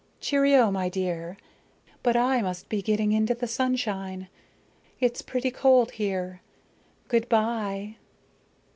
Cheerio, my dear. But I must be getting into the sunshine. It's pretty cold here. Good by!"